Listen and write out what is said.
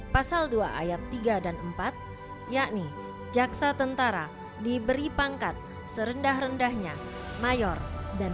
pasal dua ayat tiga dan empat yakni jaksa tentara diberi pangkat serendah rendahnya mayor dan